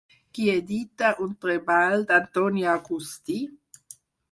Qui edita un treball d'Antoni Agustí?